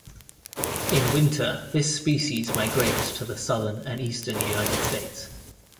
In winter, this species migrates to the southern and eastern United States.